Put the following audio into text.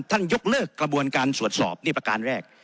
ยกเลิกกระบวนการตรวจสอบนี่ประการแรก